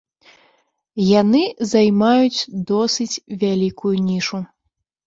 Яны займаюць досыць вялікую нішу.